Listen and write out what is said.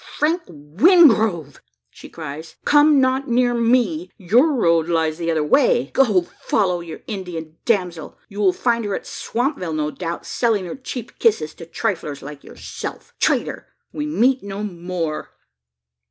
"Frank Wingrove!" she cries, "come not near me. Your road lies the other way. Go! follow your Indian damsel. You will find her at Swampville, no doubt, selling her cheap kisses to triflers like yourself. Traitor! we meet no more!"